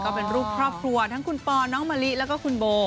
ก็เป็นรูปครอบครัวทั้งคุณปอน้องมะลิแล้วก็คุณโบ